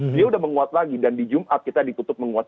dia sudah menguat lagi dan di jumat kita ditutup menguat